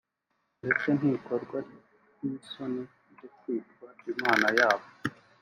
ndetse ntikorwa n’isoni zo kwitwa Imana yabo